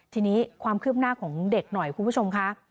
ทีนี้ความคืบหน้าของเด็กหน่อยคุณผู้ชมค่ะ